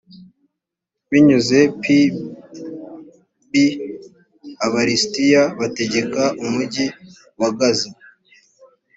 biyunze p b aba lisitiya bategeka umugi wa gaza